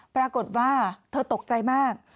ปรากฏว่าเธอตกใจมาก